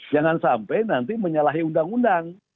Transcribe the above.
jangan sampai nanti menyalahi undang undang